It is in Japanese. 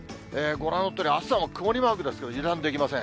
ご覧のとおり、あすは曇りマークですが、油断できません。